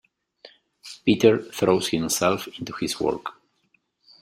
Peter throws himself into his work.